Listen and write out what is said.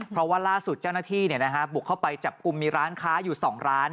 เพราะว่าล่าสุดเจ้าหน้าที่บุกเข้าไปจับกลุ่มมีร้านค้าอยู่๒ร้าน